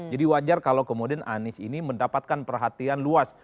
jadi wajar kalau kemudian anies ini mendapatkan perhatian luas